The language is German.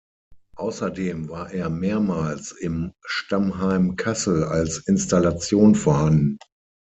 Außerdem war er mehrmals im Stammheim Kassel als Installation vorhanden.